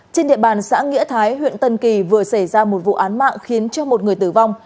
trên địa bàn xã nghĩa thái huyện tân kỳ vừa xảy ra một vụ án mạng khiến cho một người tử vong